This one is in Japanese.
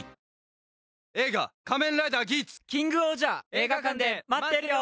映画館で待ってるよ！